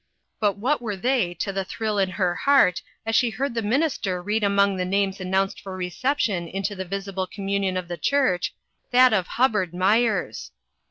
But what were they to the thrill in her heart as she heard the minister read among the names announced for reception into the visible communion of the church, that of Hubbard Myers.